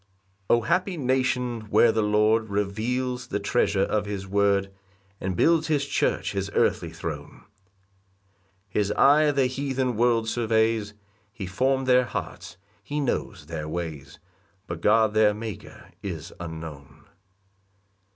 1 O Happy nation, where the Lord Reveals the treasure of his word, And builds his church his earthly throne! His eye the heathen world surveys, He form'd their hearts, he knows their ways; But God their Maker is unknown.